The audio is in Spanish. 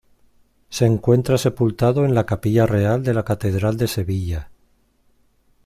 Se encuentra sepultado en la Capilla Real de la catedral de Sevilla.